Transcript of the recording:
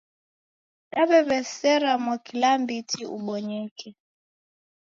Daw'ew'esera mwakilambiti ubonyeke